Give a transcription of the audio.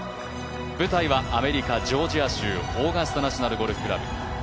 舞台はアメリカ・ジョージア州オーガスタ・ナショナル・ゴルフクラブ。